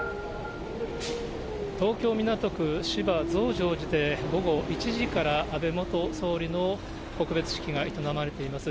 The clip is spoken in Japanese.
東京・港区芝、増上寺で、午後１時から安倍元総理の告別式が営まれています。